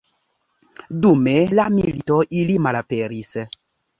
Dum la milito ili malaperis.